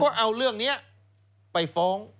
ก็เอาเรื่องนี้ไปฟ้อง